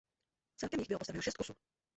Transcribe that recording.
Celkem jich bylo postaveno šest kusů.